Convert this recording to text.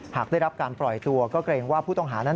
หากได้รับการปล่อยตัวก็เกรงว่าผู้ต้องหานั้น